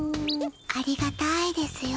ありがたいですよ。